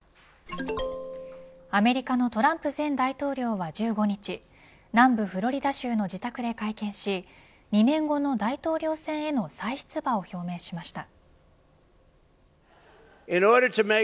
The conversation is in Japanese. ＪＴアメリカのトランプ前大統領は１５日南部フロリダ州の自宅で会見し２年後の大統領選への再出馬を表明しました。